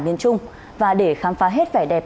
miền trung và để khám phá hết vẻ đẹp